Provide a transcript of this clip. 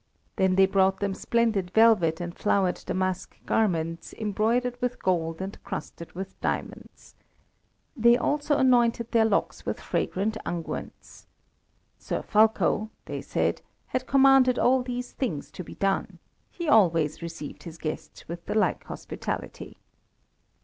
Then they brought them splendid velvet and flowered damask garments embroidered with gold and crusted with diamonds. They also anointed their locks with fragrant unguents. Sir Fulko, they said, had commanded all these things to be done; he always received his guests with the like hospitality.